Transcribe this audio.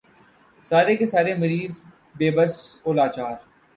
سارے کے سارے مریض بے بس و لاچار۔